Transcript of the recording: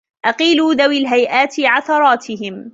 أَقِيلُوا ذَوِي الْهَيْئَاتِ عَثَرَاتِهِمْ